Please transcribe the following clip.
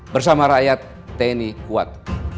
bersama rakyat tni kuat